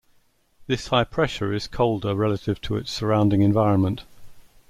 This high pressure is colder relative to its surrounding environment.